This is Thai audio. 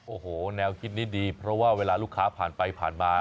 โอ้โหแนวคิดนี้ดีเพราะว่าเวลาลูกค้าผ่านไปผ่านมา